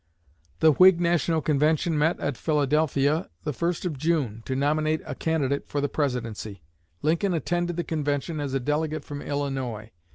The Whig National Convention met at Philadelphia the first of June, to nominate a candidate for the Presidency. Lincoln attended the Convention as a delegate from Illinois.